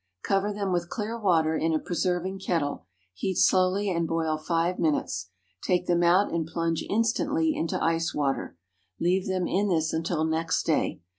Cover them with clear water in a preserving kettle, heat slowly and boil five minutes. Take them out and plunge instantly into ice water. Leave them in this until next day.